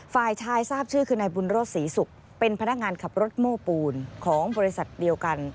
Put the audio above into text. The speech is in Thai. ฝ่ายชายทราบชื่อคือนายบุญรถศรีศุกร์เป็นพนักงานขับรถโม้ปูนของบริษัทเดียวกัน